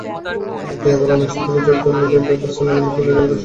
এটি আবার অনেক স্মৃতিবিজড়িত ন্যু ক্যাম্পে বার্সেলোনা মিডফিল্ডার জাভিরও শেষ ম্যাচ।